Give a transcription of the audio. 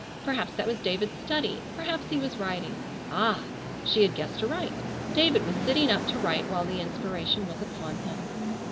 Perhaps that was David's study. Perhaps he was writing. Ah! She had guessed aright. David was sitting up to write while the inspiration was upon him.